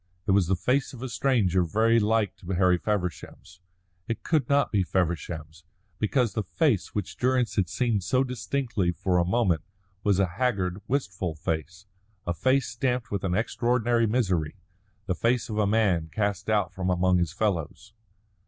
It was the face of a stranger very like to Harry Feversham's. It could not be Feversham's, because the face which Durrance had seen so distinctly for a moment was a haggard, wistful face a face stamped with an extraordinary misery; the face of a man cast out from among his fellows.